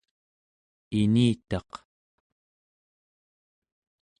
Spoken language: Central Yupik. initaq